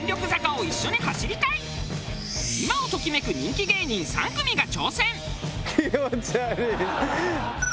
今を時めく人気芸人３組が挑戦。